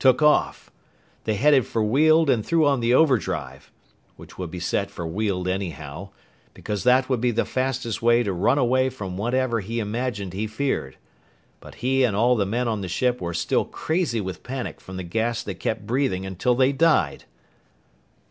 took off. They headed for Weald and threw on the overdrive which would be set for Weald anyhow because that would be the fastest way to run away from whatever he imagined he feared. But he and all the men on the ship were still crazy with panic from the gas they kept breathing until they died!"